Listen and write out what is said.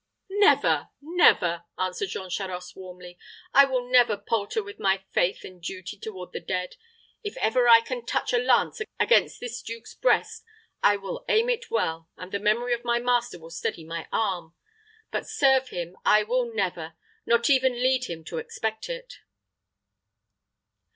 "Never, never!" answered Jean Charost, warmly; "I will never palter with my faith and duty toward the dead. If ever I can couch a lance against this duke's breast, I will aim it well, and the memory of my master will steady my arm; but serve him I will never, nor even lead him to expect it."